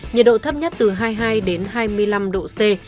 nhiệt độ thấp nhất từ hai mươi hai hai mươi năm độ c